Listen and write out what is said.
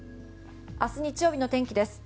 明日日曜日の天気です。